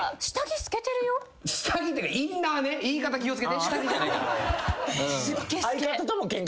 下着っていうかインナーね言い方気を付けて下着じゃないから。